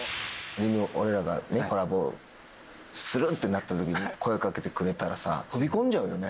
俺らがコラボするってなったときに、声かけてくれたらさ、飛び込んじゃうよね。